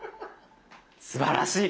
すばらしい。